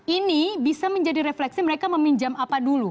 ini bisa menjadi refleksi mereka meminjam apa dulu